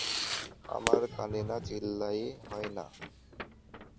আমার কানে না চিল্লাইলে হয় না?